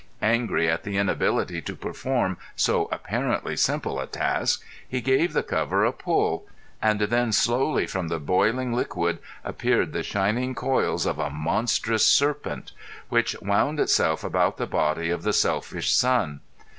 Angry at the inability to perform so apparently simple a task he gave the cover a pull ... and then slowly from the boiling liquid appeared the shining coils of a monstrous serpent, which wound itself about the body of the selfish son!